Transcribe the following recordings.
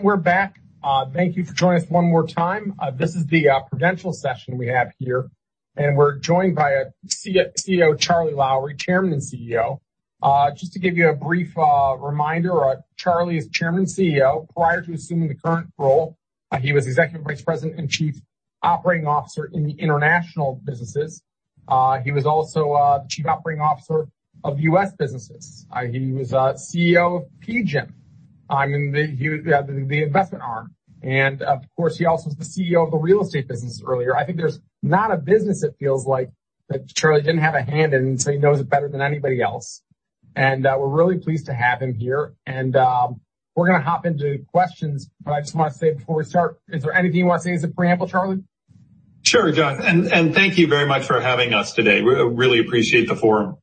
We're back. Thank you for joining us one more time. This is the Prudential session we have here. We're joined by CEO, Charlie Lowrey, Chairman and CEO. Just to give you a brief reminder, Charlie is Chairman and CEO. Prior to assuming the current role, he was Executive Vice President and Chief Operating Officer in the international businesses. He was also Chief Operating Officer of U.S. businesses. He was CEO of PGIM, the investment arm. He also was the CEO of the real estate business earlier. I think there's not a business, it feels like, that Charlie didn't have a hand in, so he knows it better than anybody else. We're really pleased to have him here. We're going to hop into questions. I just want to say before we start, is there anything you want to say as a preamble, Charlie? Sure, Josh, thank you very much for having us today. We really appreciate the forum.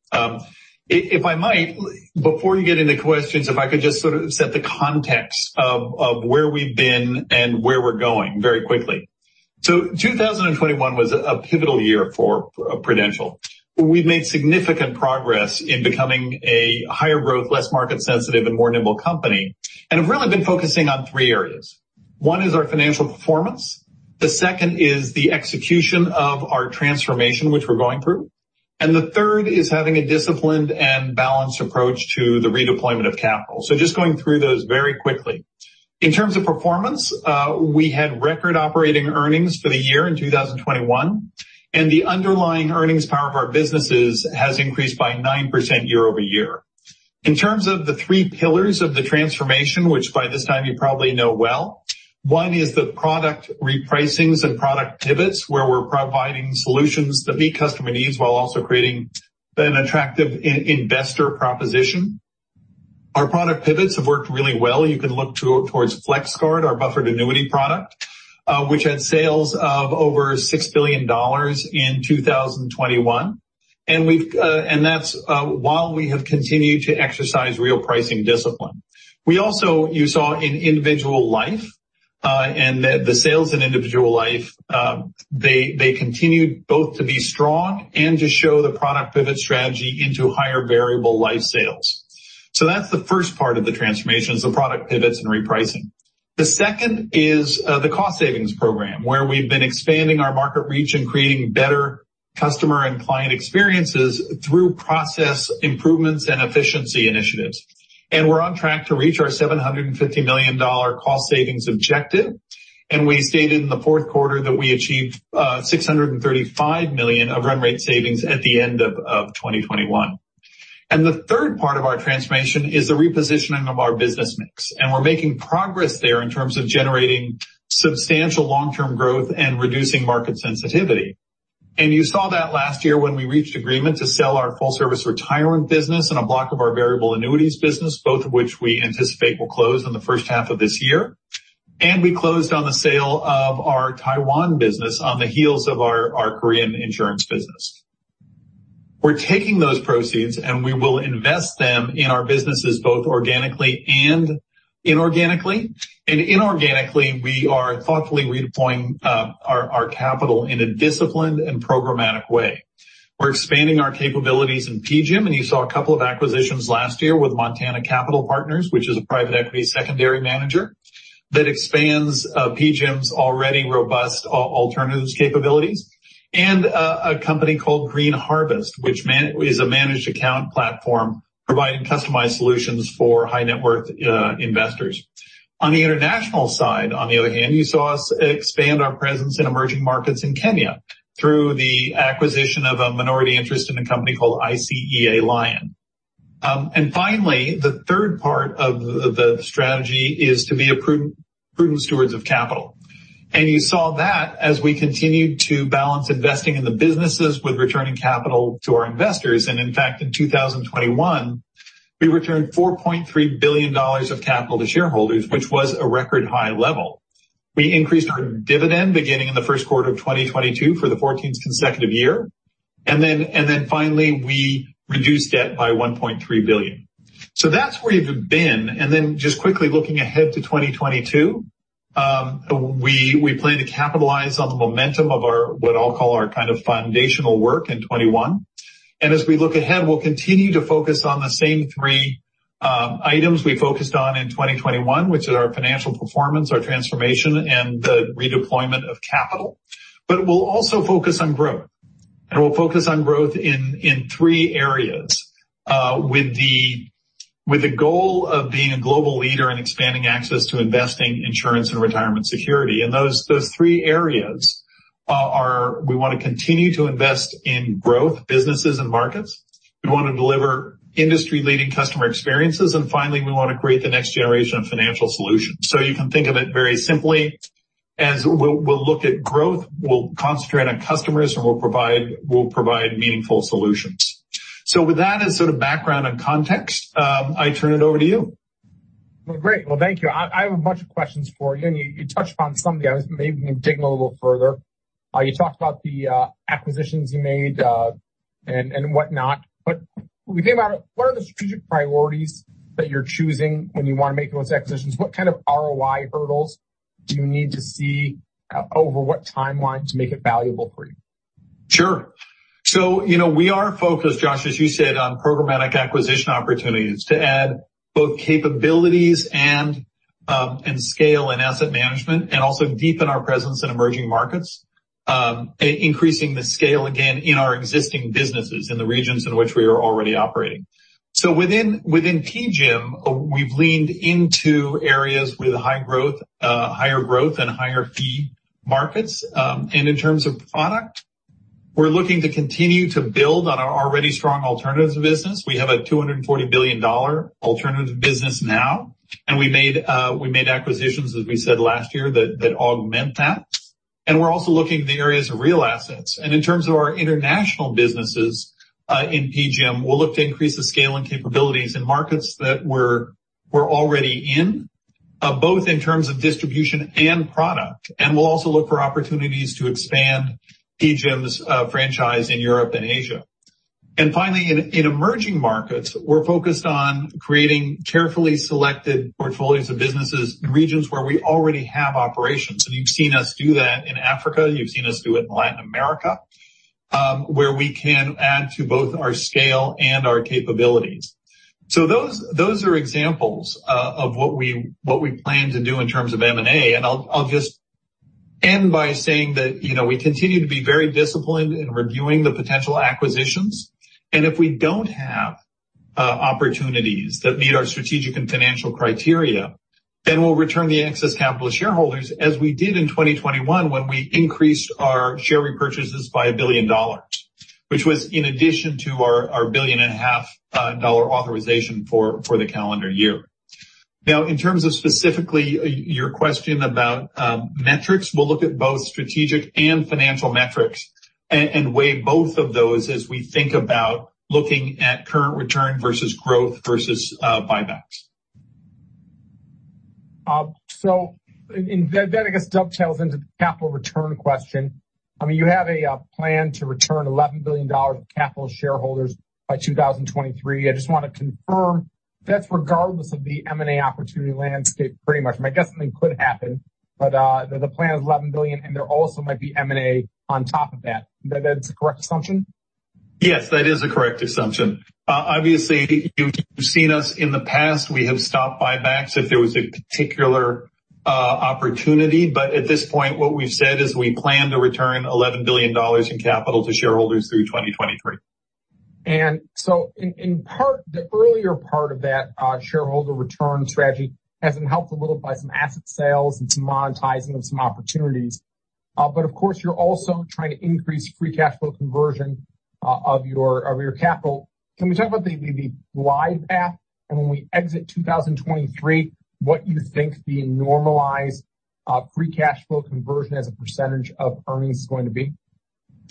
If I might, before you get into questions, if I could just sort of set the context of where we've been and where we're going very quickly. 2021 was a pivotal year for Prudential. We've made significant progress in becoming a higher growth, less market sensitive, and more nimble company. We have really been focusing on three areas. One is our financial performance, the second is the execution of our transformation, which we're going through, and the third is having a disciplined and balanced approach to the redeployment of capital. Just going through those very quickly. In terms of performance, we had record operating earnings for the year in 2021. The underlying earnings power of our businesses has increased by 9% year-over-year. In terms of the three pillars of the transformation, which by this time you probably know well, one is the product repricings and product pivots, where we're providing solutions that meet customer needs while also creating an attractive investor proposition. Our product pivots have worked really well. You can look towards FlexGuard, our buffered annuity product, which had sales of over $6 billion in 2021. That's while we have continued to exercise real pricing discipline. We also, you saw in individual life, the sales in individual life, they continued both to be strong and to show the product pivot strategy into higher variable life sales. That's the first part of the transformation, is the product pivots and repricing. The second is the cost savings program, where we've been expanding our market reach and creating better customer and client experiences through process improvements and efficiency initiatives. We're on track to reach our $750 million cost savings objective. We stated in the fourth quarter that we achieved $635 million of run rate savings at the end of 2021. The third part of our transformation is the repositioning of our business mix. We're making progress there in terms of generating substantial long-term growth and reducing market sensitivity. You saw that last year when we reached agreement to sell our full-service retirement business and a block of our variable annuities business, both of which we anticipate will close in the first half of this year. We closed on the sale of our Taiwan business on the heels of our Korean insurance business. We're taking those proceeds. We will invest them in our businesses both organically and inorganically. In inorganically, we are thoughtfully redeploying our capital in a disciplined and programmatic way. We're expanding our capabilities in PGIM. You saw a couple of acquisitions last year with Montana Capital Partners, which is a private equity secondary manager that expands PGIM's already robust alternatives capabilities, and a company called Green Harvest, which is a managed account platform providing customized solutions for high net worth investors. On the international side, on the other hand, you saw us expand our presence in emerging markets in Kenya through the acquisition of a minority interest in a company called ICEA LION. Finally, the third part of the strategy is to be prudent stewards of capital. You saw that as we continued to balance investing in the businesses with returning capital to our investors. In fact, in 2021, we returned $4.3 billion of capital to shareholders, which was a record high level. We increased our dividend beginning in the first quarter of 2022 for the 14th consecutive year. Finally, we reduced debt by $1.3 billion. That's where we've been. Just quickly looking ahead to 2022, we plan to capitalize on the momentum of our, what I'll call our kind of foundational work in 2021. As we look ahead, we'll continue to focus on the same three items we focused on in 2021, which is our financial performance, our transformation, and the redeployment of capital. We'll also focus on growth, and we'll focus on growth in three areas, with the goal of being a global leader and expanding access to investing, insurance, and retirement security. Those three areas are we want to continue to invest in growth businesses and markets, we want to deliver industry-leading customer experiences, and finally, we want to create the next generation of financial solutions. You can think of it very simply as we'll look at growth, we'll concentrate on customers, and we'll provide meaningful solutions. With that as sort of background and context, I turn it over to you. Well, great. Well, thank you. I have a bunch of questions for you, and you touched upon some of the others. Maybe we can dig in a little further. You talked about the acquisitions you made and whatnot, but what are the strategic priorities that you're choosing when you want to make those acquisitions? What kind of ROI hurdles do you need to see over what timeline to make it valuable for you? Sure. We are focused, Josh, as you said, on programmatic acquisition opportunities to add both capabilities and scale in asset management, also deepen our presence in emerging markets, increasing the scale again in our existing businesses in the regions in which we are already operating. Within PGIM, we've leaned into areas with higher growth and higher fee markets. In terms of product, we're looking to continue to build on our already strong alternatives business. We have a $240 billion alternatives business now, and we made acquisitions, as we said, last year that augment that. We're also looking at the areas of real assets. In terms of our international businesses, in PGIM, we'll look to increase the scale and capabilities in markets that we're already in, both in terms of distribution and product. We'll also look for opportunities to expand PGIM's franchise in Europe and Asia. Finally, in emerging markets, we're focused on creating carefully selected portfolios of businesses in regions where we already have operations. You've seen us do that in Africa, you've seen us do it in Latin America, where we can add to both our scale and our capabilities. Those are examples of what we plan to do in terms of M&A. I'll just end by saying that we continue to be very disciplined in reviewing the potential acquisitions. If we don't have opportunities that meet our strategic and financial criteria, then we'll return the excess capital to shareholders, as we did in 2021, when we increased our share repurchases by $1 billion, which was in addition to our $1.5 billion authorization for the calendar year. In terms of specifically your question about metrics, we'll look at both strategic and financial metrics and weigh both of those as we think about looking at current return versus growth versus buybacks. That, I guess, dovetails into the capital return question. You have a plan to return $11 billion of capital to shareholders by 2023. I just want to confirm that's regardless of the M&A opportunity landscape pretty much. I guess something could happen, but the plan is $11 billion. There also might be M&A on top of that. That's a correct assumption? Yes, that is a correct assumption. Obviously, you've seen us in the past, we have stopped buybacks if there was a particular opportunity. At this point, what we've said is we plan to return $11 billion in capital to shareholders through 2023. In part, the earlier part of that shareholder return strategy has been helped a little by some asset sales and some monetizing of some opportunities. Of course, you're also trying to increase free cash flow conversion of your capital. Can we talk about the why of that and when we exit 2023, what you think the normalized free cash flow conversion as a percentage of earnings is going to be?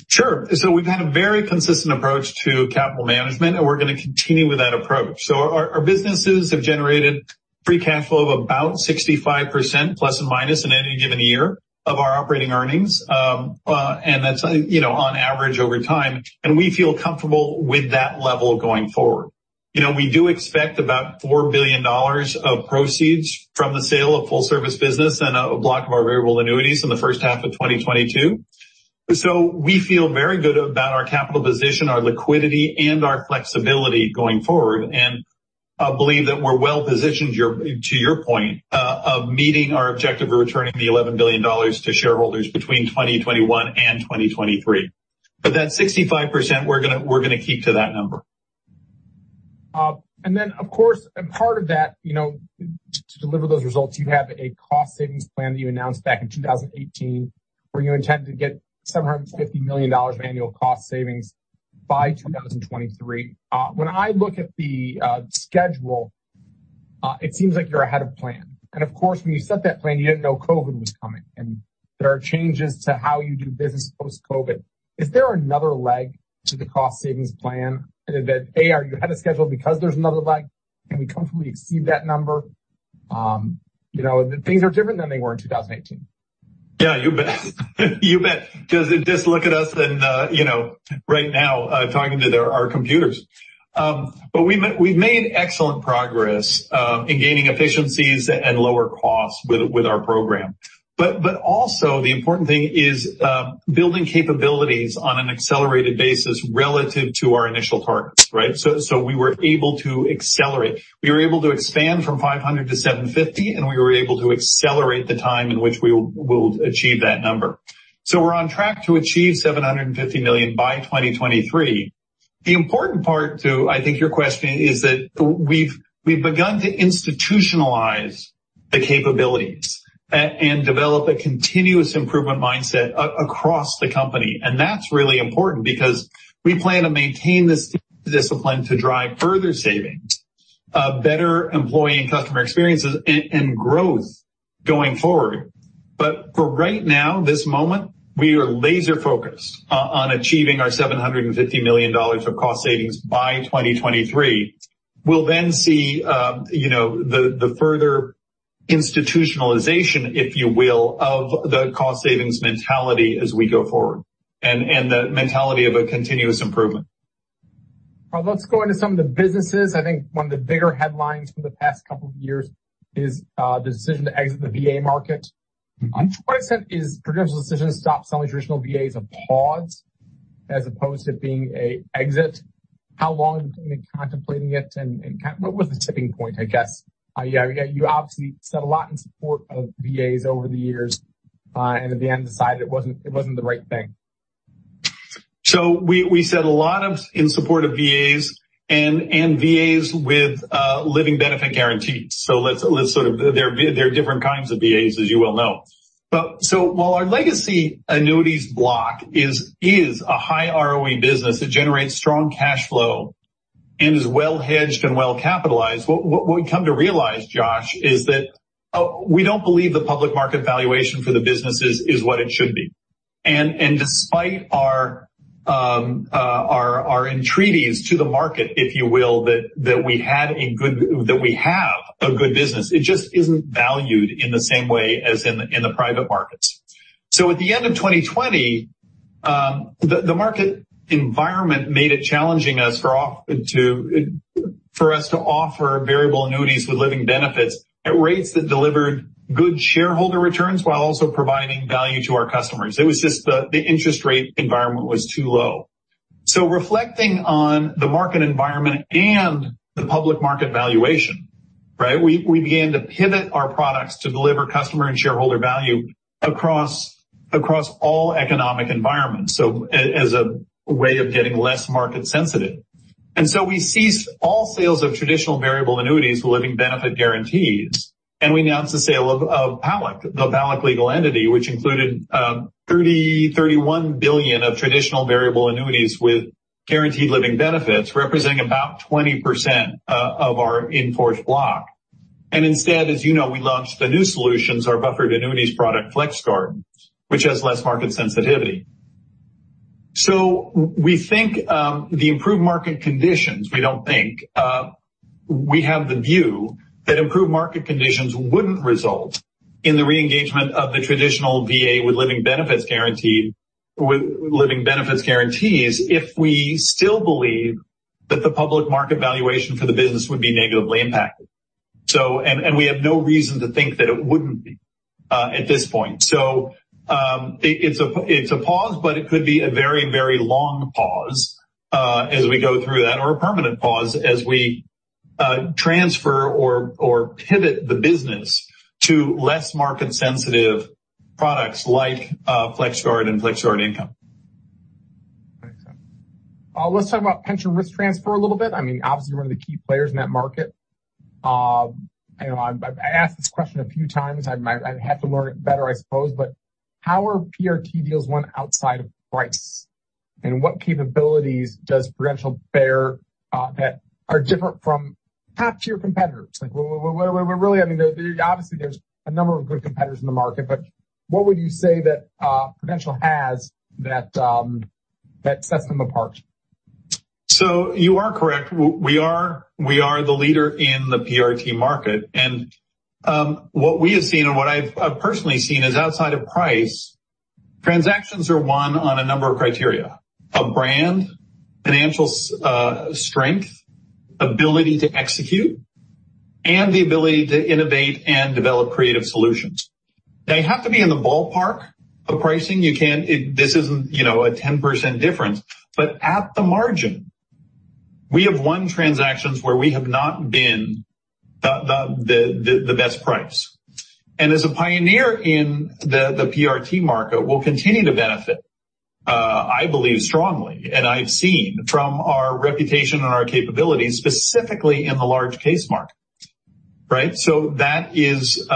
Sure. We've had a very consistent approach to capital management, and we're going to continue with that approach. Our businesses have generated free cash flow of about 65%, plus or minus in any given year, of our operating earnings. That's on average over time, and we feel comfortable with that level going forward. We do expect about $4 billion of proceeds from the sale of full-service retirement business and a block of our variable annuities in the first half of 2022. We feel very good about our capital position, our liquidity, and our flexibility going forward, and believe that we're well positioned, to your point, of meeting our objective of returning the $11 billion to shareholders between 2021 and 2023. That 65%, we're going to keep to that number. Of course, a part of that, to deliver those results, you have a cost savings plan that you announced back in 2018, where you intend to get $750 million of annual cost savings by 2023. When I look at the schedule, it seems like you're ahead of plan. Of course, when you set that plan, you didn't know COVID was coming, and there are changes to how you do business post-COVID. Is there another leg to the cost savings plan that, A, are you ahead of schedule because there's another leg? Can we comfortably exceed that number? Things are different than they were in 2018. Yeah, you bet. You bet. Just look at us right now, talking to our computers. We've made excellent progress in gaining efficiencies and lower costs with our program. Also, the important thing is building capabilities on an accelerated basis relative to our initial targets, right? We were able to accelerate. We were able to expand from 500 to 750, and we were able to accelerate the time in which we will achieve that number. We're on track to achieve $750 million by 2023. The important part to, I think, your question is that we've begun to institutionalize the capabilities and develop a continuous improvement mindset across the company. That's really important because we plan to maintain this discipline to drive further savings, better employee and customer experiences, and growth going forward. For right now, this moment, we are laser focused on achieving our $750 million of cost savings by 2023. We'll then see the further institutionalization, if you will, of the cost savings mentality as we go forward, and the mentality of a continuous improvement. Let's go into some of the businesses. I think one of the bigger headlines from the past couple of years is the decision to exit the VA market. I'm curious, is Prudential's decision to stop selling traditional VAs a pause as opposed to being a exit? How long have you been contemplating it, and what was the tipping point, I guess? You obviously said a lot in support of VAs over the years, and in the end decided it wasn't the right thing. We said a lot in support of VAs and VAs with living benefit guarantees. There are different kinds of VAs, as you well know. While our legacy annuities block is a high ROE business that generates strong cash flow and is well hedged and well capitalized, what we've come to realize, Josh, is that we don't believe the public market valuation for the business is what it should be. Despite our entreaties to the market, if you will, that we have a good business, it just isn't valued in the same way as in the private markets. At the end of 2020, the market environment made it challenging for us to offer variable annuities with living benefits at rates that delivered good shareholder returns while also providing value to our customers. It was just the interest rate environment was too low. Reflecting on the market environment and the public market valuation, right. We began to pivot our products to deliver customer and shareholder value across all economic environments, so as a way of getting less market sensitive. We ceased all sales of traditional variable annuities with living benefit guarantees, and we announced the sale of PALAC, the PALAC legal entity, which included $31 billion of traditional variable annuities with guaranteed living benefits, representing about 20% of our in-force block. Instead, as you know, we launched the new solutions, our buffered annuity product, FlexGuard, which has less market sensitivity. We think the improved market conditions, we don't think, we have the view that improved market conditions wouldn't result in the re-engagement of the traditional VA with living benefit guarantees if we still believe that the public market valuation for the business would be negatively impacted. We have no reason to think that it wouldn't be at this point. It's a pause, but it could be a very, very long pause as we go through that or a permanent pause as we transfer or pivot the business to less market sensitive products like FlexGuard and FlexGuard Income. Makes sense. Let's talk about pension risk transfer a little bit. Obviously, you're one of the key players in that market. I've asked this question a few times. I have to learn it better, I suppose, but how are PRT deals won outside of price, and what capabilities does Prudential bear that are different from top-tier competitors? Obviously, there's a number of good competitors in the market, but what would you say that Prudential has that sets them apart? You are correct. We are the leader in the PRT market, and what we have seen, and what I've personally seen, is outside of price, transactions are won on a number of criteria: a brand, financial strength, ability to execute, and the ability to innovate and develop creative solutions. They have to be in the ballpark of pricing. This isn't a 10% difference. At the margin, we have won transactions where we have not been the best price. As a pioneer in the PRT market, we'll continue to benefit, I believe strongly, and I've seen from our reputation and our capabilities, specifically in the large case market. Right. That is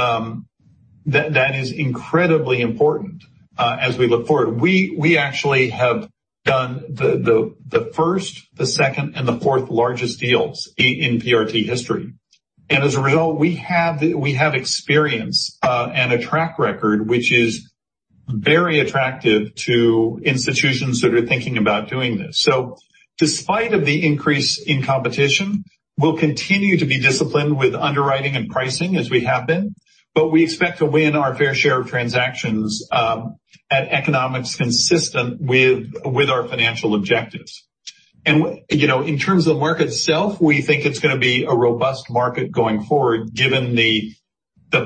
incredibly important as we look forward. We actually have done the first, the second, and the fourth largest deals in PRT history. As a result, we have experience and a track record, which is very attractive to institutions that are thinking about doing this. Despite of the increase in competition, we'll continue to be disciplined with underwriting and pricing as we have been, but we expect to win our fair share of transactions at economics consistent with our financial objectives. In terms of the market itself, we think it's going to be a robust market going forward given the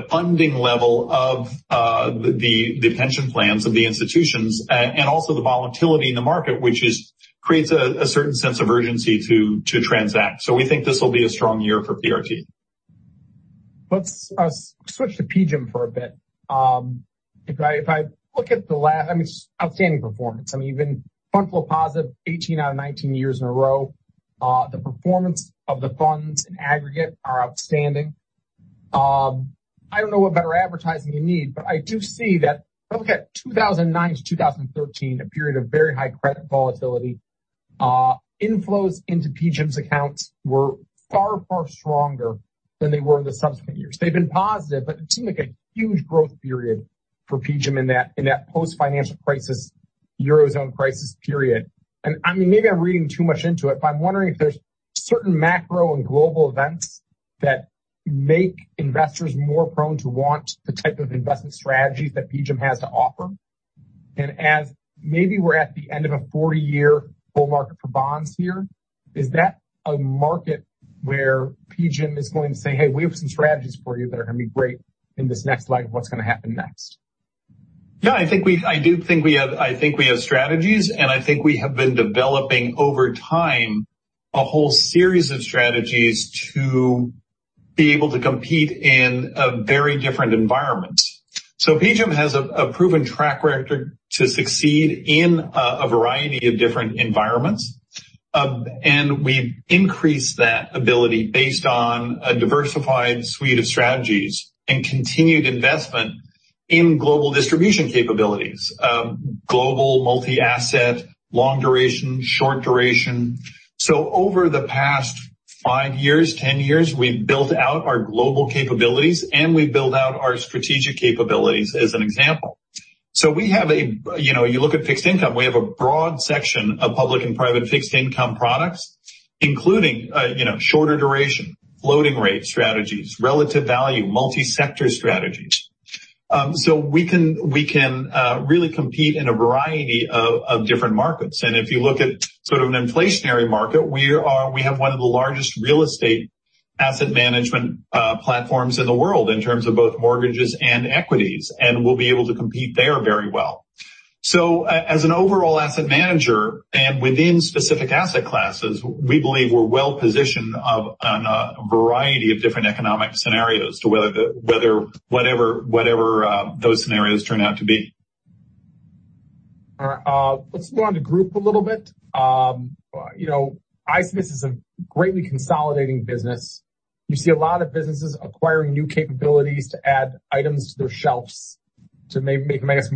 funding level of the pension plans of the institutions and also the volatility in the market, which creates a certain sense of urgency to transact. We think this will be a strong year for PRT. Let's switch to PGIM for a bit. It's outstanding performance. You've been fund flow positive 18 out of 19 years in a row. The performance of the funds in aggregate are outstanding. I don't know what better advertising you need, but I do see that if you look at 2009 to 2013, a period of very high credit volatility, inflows into PGIM's accounts were far, far stronger than they were in the subsequent years. They've been positive, but it seemed like a huge growth period for PGIM in that post-financial crisis, Eurozone crisis period. Maybe I'm reading too much into it, but I'm wondering if there's certain macro and global events that make investors more prone to want the type of investment strategies that PGIM has to offer? As maybe we're at the end of a 40-year bull market for bonds here, is that a market where PGIM is going to say, "Hey, we have some strategies for you that are going to be great in this next leg of what's going to happen next? I think we have strategies, and I think we have been developing over time a whole series of strategies to be able to compete in a very different environment. PGIM has a proven track record to succeed in a variety of different environments. We've increased that ability based on a diversified suite of strategies and continued investment in global distribution capabilities, global multi-asset, long duration, short duration. Over the past five years, 10 years, we've built out our global capabilities, and we've built out our strategic capabilities as an example. You look at fixed income, we have a broad section of public and private fixed income products, including shorter duration, floating rate strategies, relative value, multi-sector strategies. We can really compete in a variety of different markets. If you look at sort of an inflationary market, we have one of the largest real estate asset management platforms in the world in terms of both mortgages and equities, and we'll be able to compete there very well. As an overall asset manager and within specific asset classes, we believe we're well positioned on a variety of different economic scenarios to whatever those scenarios turn out to be. All right. Let's move on to Group a little bit. I think, this is a greatly consolidating business. You see a lot of businesses acquiring new capabilities to add items to their shelves to make, I guess,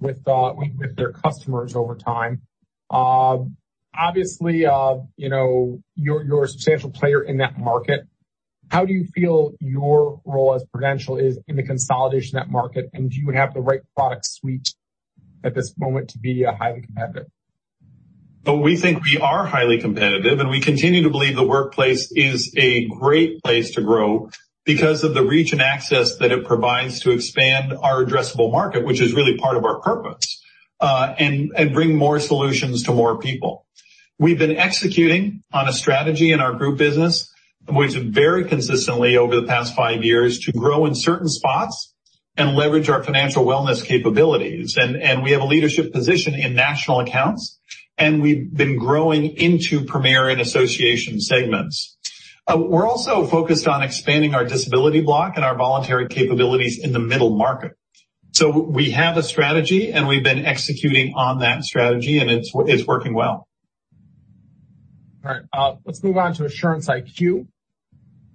more relevant with their customers over time. Obviously, you're a substantial player in that market. How do you feel your role as Prudential is in the consolidation of that market, and do you have the right product suite at this moment to be highly competitive? We think we are highly competitive, and we continue to believe the workplace is a great place to grow because of the reach and access that it provides to expand our addressable market, which is really part of our purpose, and bring more solutions to more people. We've been executing on a strategy in our Group business, which very consistently over the past five years, to grow in certain spots and leverage our financial wellness capabilities. We have a leadership position in national accounts, and we've been growing into premier and association segments. We're also focused on expanding our disability block and our voluntary capabilities in the middle market. We have a strategy, and we've been executing on that strategy, and it's working well. All right. Let's move on to Assurance IQ.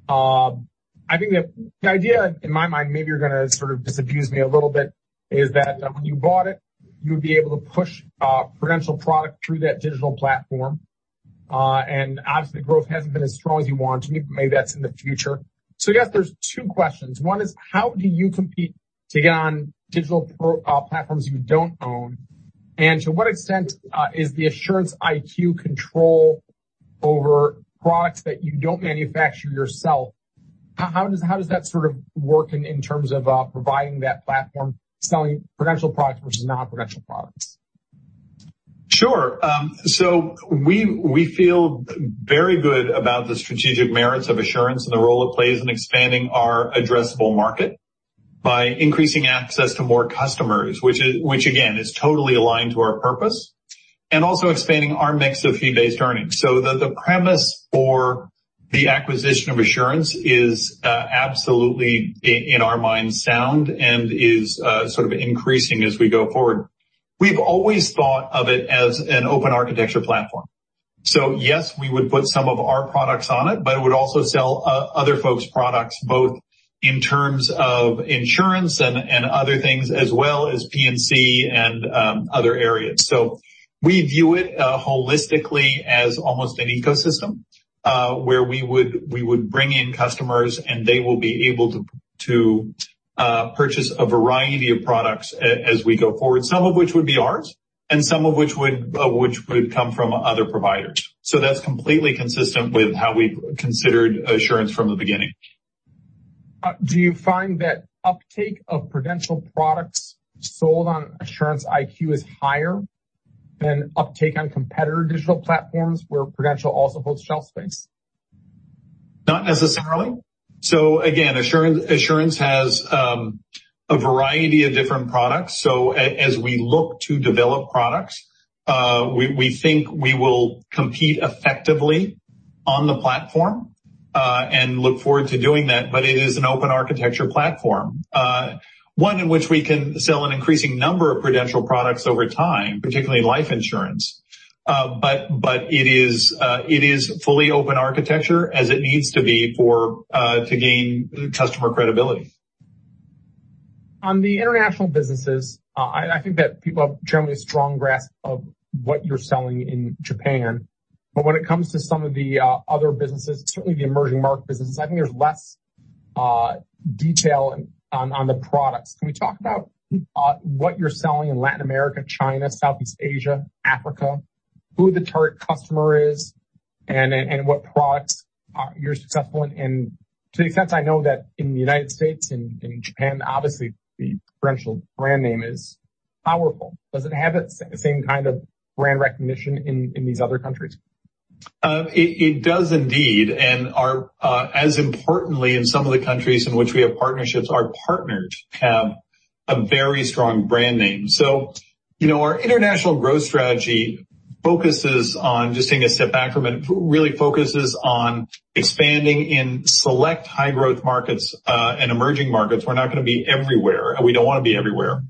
I think the idea in my mind, maybe you're going to sort of disabuse me a little bit, is that when you bought it, you would be able to push Prudential product through that digital platform. Obviously, growth hasn't been as strong as you want. Maybe that's in the future. I guess there's two questions. One is, how do you compete to get on digital platforms you don't own? To what extent is the Assurance IQ control over products that you don't manufacture yourself? How does that sort of work in terms of providing that platform, selling Prudential products versus non-Prudential products? We feel very good about the strategic merits of Assurance IQ and the role it plays in expanding our addressable market by increasing access to more customers, which, again, is totally aligned to our purpose, and also expanding our mix of fee-based earnings. The premise for the acquisition of Assurance IQ is absolutely, in our minds, sound and is sort of increasing as we go forward. We've always thought of it as an open architecture platform. Yes, we would put some of our products on it, but it would also sell other folks' products, both in terms of insurance and other things, as well as P&C and other areas. We view it holistically as almost an ecosystem, where we would bring in customers, and they will be able to purchase a variety of products as we go forward, some of which would be ours and some of which would come from other providers. That's completely consistent with how we considered Assurance IQ from the beginning. Do you find that uptake of Prudential products sold on Assurance IQ is higher than uptake on competitor digital platforms where Prudential also holds shelf space? Not necessarily. Again, Assurance IQ has a variety of different products. As we look to develop products, we think we will compete effectively on the platform, and look forward to doing that. It is an open architecture platform, one in which we can sell an increasing number of Prudential products over time, particularly life insurance. It is fully open architecture as it needs to be to gain customer credibility. On the international businesses, I think that people have generally a strong grasp of what you're selling in Japan. When it comes to some of the other businesses, certainly the emerging market businesses, I think there's less detail on the products. Can we talk about what you're selling in Latin America, China, Southeast Asia, Africa? Who the target customer is? What products are you successful in? To the extent I know that in the U.S. and in Japan, obviously, the Prudential brand name is powerful. Does it have that same kind of brand recognition in these other countries? It does indeed, as importantly, in some of the countries in which we have partnerships, our partners have a very strong brand name. Our international growth strategy, just taking a step back from it, really focuses on expanding in select high growth markets and emerging markets. We're not going to be everywhere. We don't want to be everywhere.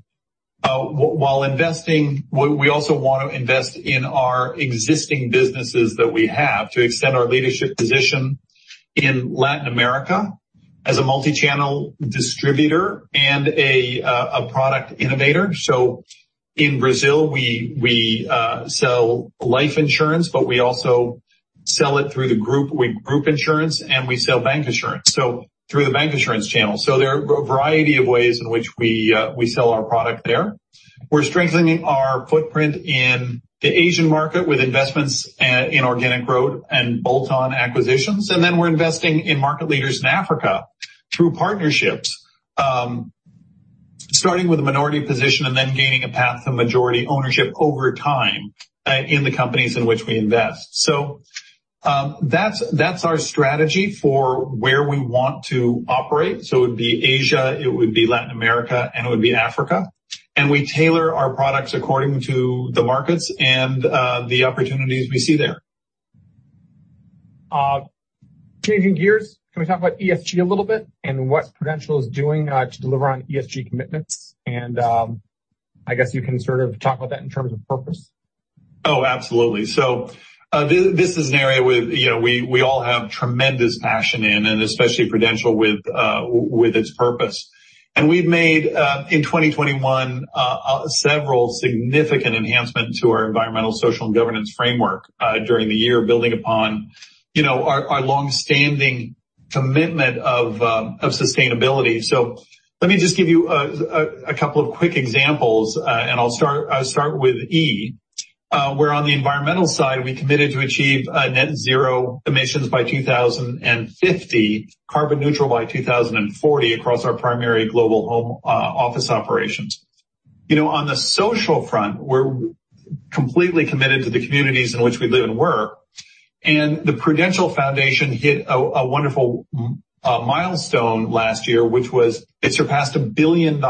While investing, we also want to invest in our existing businesses that we have to extend our leadership position in Latin America as a multi-channel distributor and a product innovator. In Brazil, we sell life insurance, but we also sell it through the group insurance, and we sell bank insurance, so through the bank insurance channel. There are a variety of ways in which we sell our product there. We're strengthening our footprint in the Asian market with investments in organic growth and bolt-on acquisitions. We're investing in market leaders in Africa through partnerships, starting with a minority position and then gaining a path to majority ownership over time in the companies in which we invest. That's our strategy for where we want to operate. It would be Asia, it would be Latin America, and it would be Africa. We tailor our products according to the markets and the opportunities we see there. Changing gears, can we talk about ESG a little bit and what Prudential is doing to deliver on ESG commitments? I guess you can sort of talk about that in terms of purpose. Oh, absolutely. This is an area we all have tremendous passion in, especially Prudential with its purpose. We've made, in 2021, several significant enhancements to our environmental, social, and governance framework during the year, building upon our long-standing commitment of sustainability. Let me just give you a couple of quick examples. I'll start with E, where on the environmental side, we committed to achieve net zero emissions by 2050, carbon neutral by 2040 across our primary global home office operations. On the social front, we're completely committed to the communities in which we live and work. The Prudential Foundation hit a wonderful milestone last year, which was it surpassed $1 billion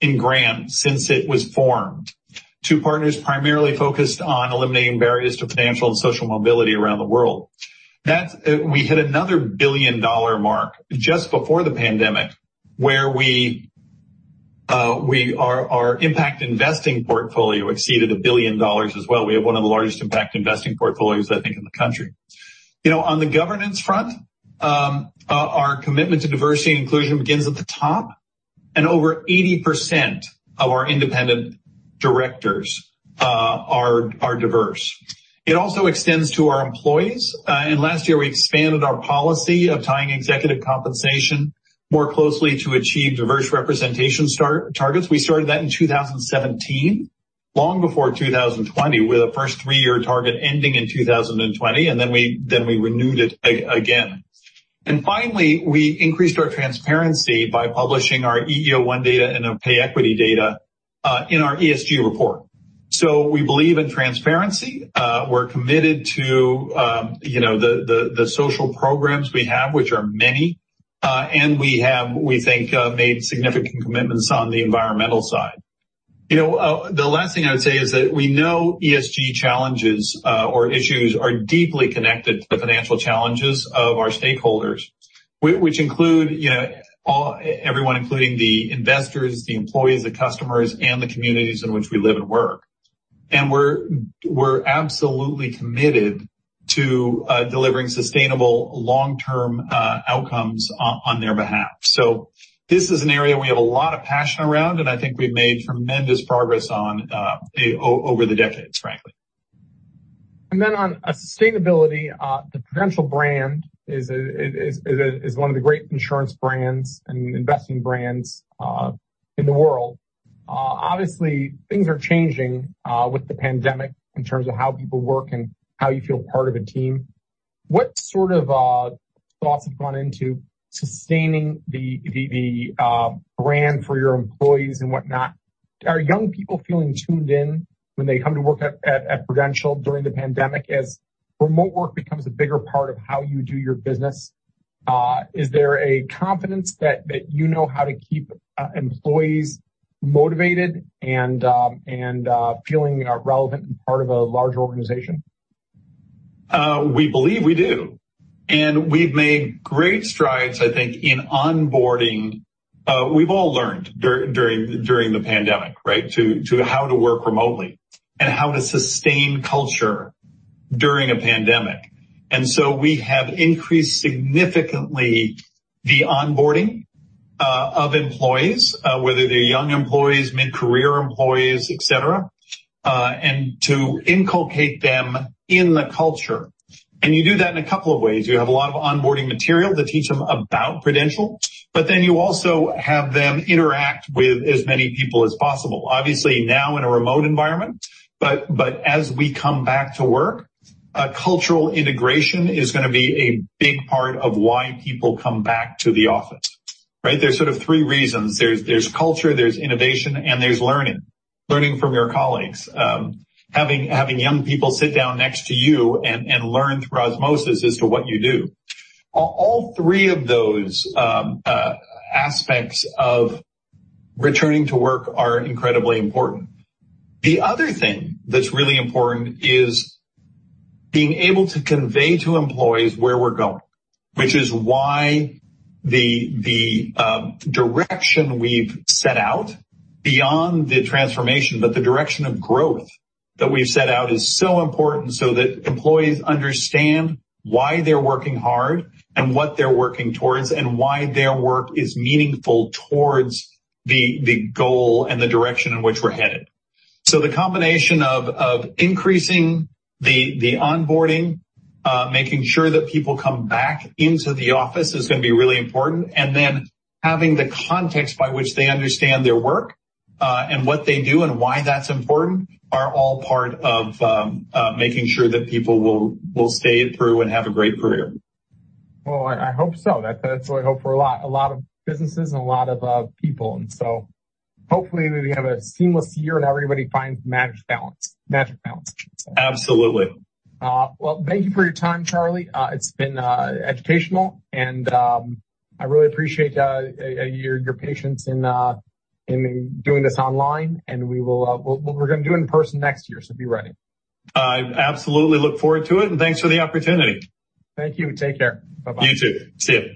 in grants since it was formed to partners primarily focused on eliminating barriers to financial and social mobility around the world. We hit another $1 billion mark just before the pandemic where our impact investing portfolio exceeded $1 billion as well. We have one of the largest impact investing portfolios, I think, in the country. On the governance front, our commitment to diversity and inclusion begins at the top, and over 80% of our independent directors are diverse. It also extends to our employees, and last year, we expanded our policy of tying executive compensation more closely to achieve diverse representation targets. We started that in 2017, long before 2020, with a first three-year target ending in 2020, and then we renewed it again. Finally, we increased our transparency by publishing our EEO-1 data and our pay equity data in our ESG report. We believe in transparency. We're committed to the social programs we have, which are many, and we have, we think, made significant commitments on the environmental side. The last thing I would say is that we know ESG challenges or issues are deeply connected to the financial challenges of our stakeholders, everyone including the investors, the employees, the customers, and the communities in which we live and work. We're absolutely committed to delivering sustainable long-term outcomes on their behalf. This is an area we have a lot of passion around, and I think we've made tremendous progress on over the decades, frankly. On sustainability, the Prudential brand is one of the great insurance brands and investing brands in the world. Obviously, things are changing with the pandemic in terms of how people work and how you feel part of a team. What sort of thoughts have gone into sustaining the brand for your employees and whatnot? Are young people feeling tuned in when they come to work at Prudential during the pandemic, as remote work becomes a bigger part of how you do your business? Is there a confidence that you know how to keep employees motivated and feeling relevant and part of a large organization? We believe we do, and we've made great strides, I think, in onboarding. We've all learned during the pandemic, right, how to work remotely and how to sustain culture during a pandemic. We have increased significantly the onboarding of employees, whether they're young employees, mid-career employees, et cetera, and to inculcate them in the culture. You do that in a couple of ways. You have a lot of onboarding material to teach them about Prudential, you also have them interact with as many people as possible, obviously now in a remote environment. As we come back to work, cultural integration is going to be a big part of why people come back to the office. Right. There's sort of three reasons. There's culture, there's innovation, and there's learning. Learning from your colleagues. Having young people sit down next to you and learn through osmosis as to what you do. All three of those aspects of returning to work are incredibly important. The other thing that's really important is being able to convey to employees where we're going, which is why the direction we've set out beyond the transformation, the direction of growth that we've set out is so important, so that employees understand why they're working hard and what they're working towards, and why their work is meaningful towards the goal and the direction in which we're headed. The combination of increasing the onboarding, making sure that people come back into the office is going to be really important, having the context by which they understand their work, and what they do and why that's important, are all part of making sure that people will stay through and have a great career. Well, I hope so. That's what I hope for a lot of businesses and a lot of people. Hopefully we have a seamless year and everybody finds magic balance. Absolutely. Well, thank you for your time, Charlie. It's been educational, and I really appreciate your patience in doing this online and we're going to do it in person next year, so be ready. I absolutely look forward to it, and thanks for the opportunity. Thank you. Take care. Bye-bye. You too. See you.